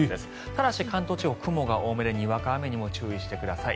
ただし関東地方は雲が多めでにわか雨にも注意してください。